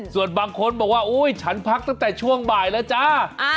ส่วนบางคนบอกว่าโอ๊ยฉันพักตั้งแต่ช่วงบ่ายแล้วจ้า